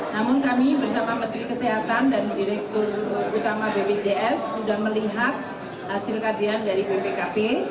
namun kami bersama menteri kesehatan dan direktur utama bpjs sudah melihat hasil kajian dari bpkp